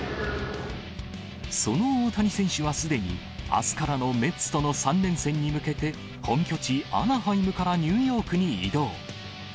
その大谷選手はすでに、あすからのメッツとの３連戦に向けて、本拠地、アナハイムからニューヨークに移動。